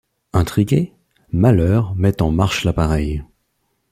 Intrigué, Malher met en marche l'appareil.